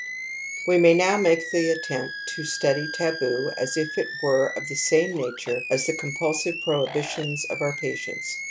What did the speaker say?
'^ We may now make the s^ttempi to study taboo as if it were of the same nature as the com pulsive prohibitions of our patients.